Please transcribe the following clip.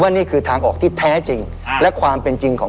นี่คือทางออกที่แท้จริงและความเป็นจริงของ